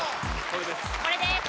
これです。